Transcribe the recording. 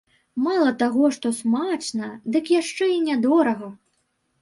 Мала таго, што смачна, дык яшчэ і нядорага!